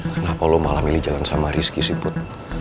kenapa lo malah milih jalan sama rizky sih put